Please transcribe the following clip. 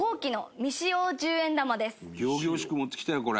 伊達：仰々しく持ってきたよこれ。